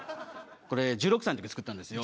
これ１６歳の時に作ったんですよ。